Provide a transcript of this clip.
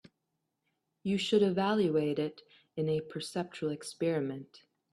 You should evaluate it in a perceptual experiment.